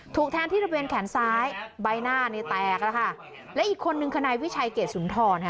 ถูกแทนที่ระเบียนแขนซ้ายใบหน้าเนี่ยแตกแล้วค่ะและอีกคนนึงคณะวิชัยเกรดสุนทรค่ะ